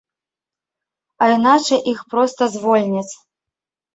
А іначай іх проста звольняць.